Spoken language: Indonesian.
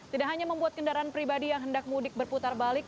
tidak hanya membuat kendaraan pribadi yang hendak mudik berputar balik